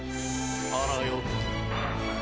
あらよっと！